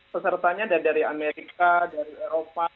pesertanya dari amerika dari eropa